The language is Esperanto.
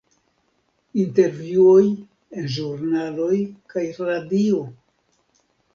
Intervjuoj en ĵurnaloj kaj radio.